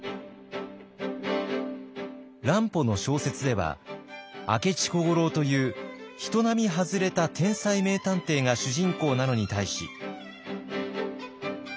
乱歩の小説では明智小五郎という人並み外れた天才名探偵が主人公なのに対し。